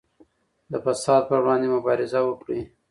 د فساد پر وړاندې مبارزه وکړئ.